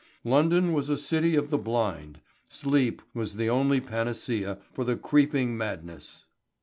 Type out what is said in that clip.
London was a city of the blind. Sleep was the only panacea for the creeping madness.